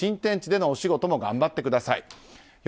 新天地でのお仕事も頑張ってください。